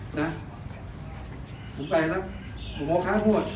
ผมไปนะ